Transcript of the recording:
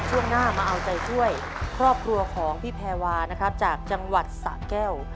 ช่วงหน้ามาเอาใจช่วยครอบครัวของพี่แพรวานะครับจากจังหวัดสะแก้ว